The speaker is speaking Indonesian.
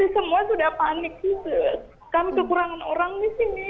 semua sudah panik kami kekurangan orang di sini